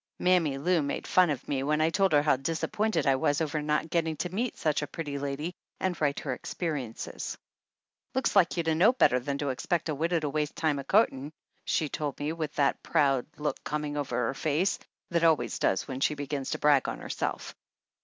Mammy Lou made fun of me when I told her how disappointed I was over not getting to meet such a pretty lady and write her experiences. "Looks like you'd a knew better than to ex pect a widow to waste time a cou'tin'," she told me with that proud look coming over her face that always does when she begins to brag on herself.